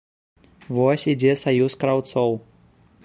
Вось ідзе саюз краўцоў.